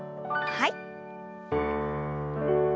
はい。